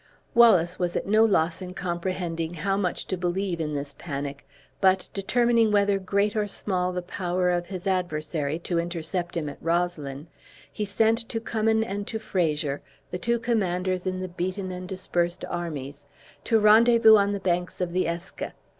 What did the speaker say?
Wallace was at no loss in comprehending how much to believe in this panic; but determining, whether great or small the power of his adversary, to intercept him at Roslyn, he sent to Cummin and to Fraser, the two commanders in the beaten and dispersed armies, to rendezvous on the banks of the Eske.